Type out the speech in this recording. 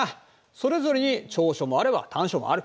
それぞれに長所もあれば短所もある。